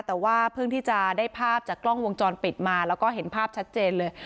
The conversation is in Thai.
แต่ว่าเพิ่งที่จะได้ภาพจากกล้องวงจรปิดมาแล้วก็เห็นภาพชัดเจนเลย